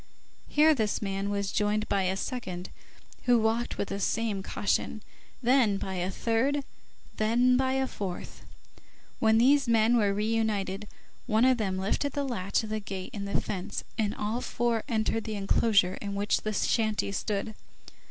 Here this man was joined by a second, who walked with the same caution, then by a third, then by a fourth. When these men were re united, one of them lifted the latch of the gate in the fence, and all four entered the enclosure in which the shanty stood.